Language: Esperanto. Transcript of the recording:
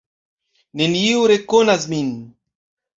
Neniu rekonas min.